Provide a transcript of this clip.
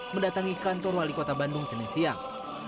mendatangi kantor wali kota bandung senin siang